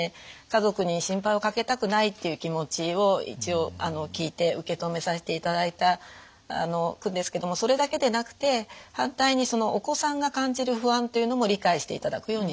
家族に心配をかけたくないっていう気持ちを一応聞いて受け止めさせていただくんですけどそれだけでなくて反対にそのお子さんが感じる不安っていうのも理解していただくようにします。